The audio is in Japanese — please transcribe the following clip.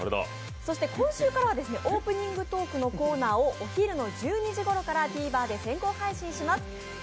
そして今週からは、オープニングトークのメンバーをお昼の１２時ごろからＴｖｅｒで先行配信します。